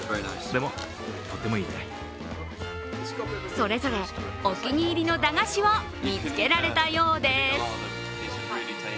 それぞれお気に入りの駄菓子を見つけられたようです。